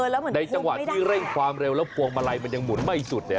แล้วเหมือนในจังหวะที่เร่งความเร็วแล้วพวงมาลัยมันยังหมุนไม่สุด